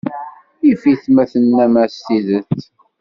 Yif-it ma tennam-as tidet.